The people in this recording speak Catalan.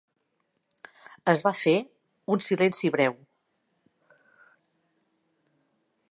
Es va fer un silenci breu.